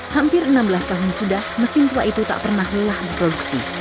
hampir enam belas tahun sudah mesin tua itu tak pernah lelah diproduksi